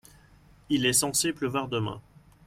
Il est censé pleuvoir demain.